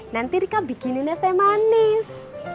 nanti rika bikinin es teh manis